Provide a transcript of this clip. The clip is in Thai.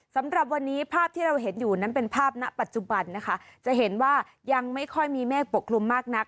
สำหรับวันนี้ภาพที่เราเห็นอยู่นั้นเป็นภาพณปัจจุบันนะคะจะเห็นว่ายังไม่ค่อยมีเมฆปกคลุมมากนัก